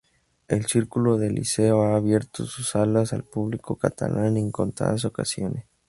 El Círculo del Liceo ha abierto sus salas al público catalán en contadas ocasiones.